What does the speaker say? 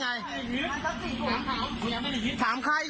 อ่าวาทะมากสิ